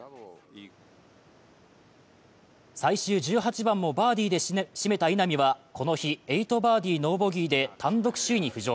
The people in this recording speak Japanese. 最終１８番もバーディーで締めた稲見はこの日、８バーディー・ノーボギーで単独首位に浮上。